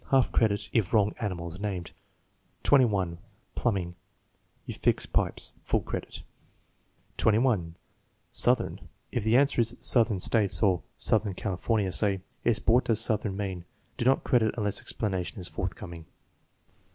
Half credit if wrong animal is named. 21. Plumbing. "You fix pipes." (Full credit.) 21* Southern. If the answer is "Southern States," or "Southern California," say: "Yes; but what does 'southern 9 mean?" Do not credit unless explanation is forthcoming.